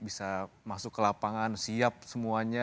bisa masuk ke lapangan siap semuanya